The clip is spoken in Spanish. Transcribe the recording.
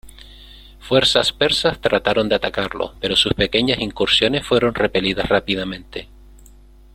Fuerzas persas trataron de atacarlo, pero sus pequeñas incursiones fueron repelidas rápidamente.